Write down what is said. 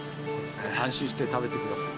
安心して食べてください。